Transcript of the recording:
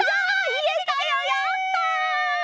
いえたよやった！